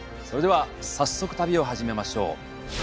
それでは早速旅を始めましょう。